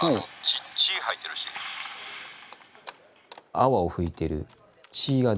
泡を吹いてる血が出てる。